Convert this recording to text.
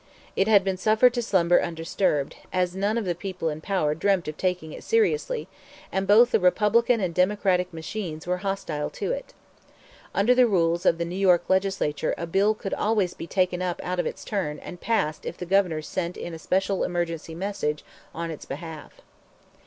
It had been suffered to slumber undisturbed, as none of the people in power dreamed of taking it seriously, and both the Republican and Democratic machines were hostile to it. Under the rules of the New York Legislature a bill could always be taken up out of its turn and passed if the Governor sent in a special emergency message on its behalf.